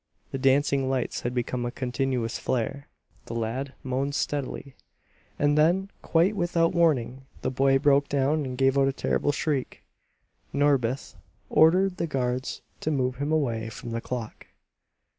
The dancing lights had become a continuous flare; the lad moaned steadily. And then quite without warning, the boy broke down and gave out a terrible shriek. Norbith ordered the guards to move him away from the clock.